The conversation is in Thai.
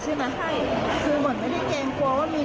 คือเหมือนไม่ได้แกล้งกลัวว่ามีคน